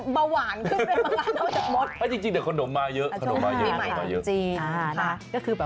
ช่วงนี้มันก็มีนะ